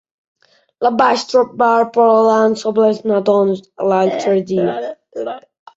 La vaig trobar plorant sobre els nadons l'altre dia.